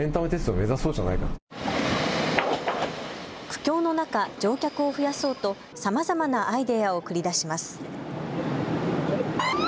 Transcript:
苦境の中、乗客を増やそうとさまざまなアイデアを繰り出します。